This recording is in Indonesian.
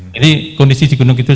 jadi kondisi di gunung kidul